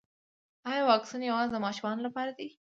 ایا واکسین یوازې د ماشومانو لپاره دی